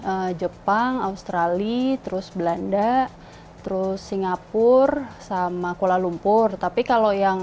e jepang australia terus belanda terus singapura sama kuala lumpur tapi kalau yang